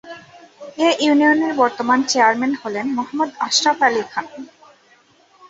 এ ইউনিয়নের বর্তমান চেয়ারম্যান হলেন মোহাম্মদ আশরাফ আলী।